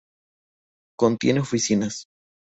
Contiene oficinas.